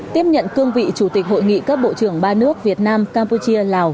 tiếp nhận cương vị chủ tịch hội nghị các bộ trưởng ba nước việt nam campuchia lào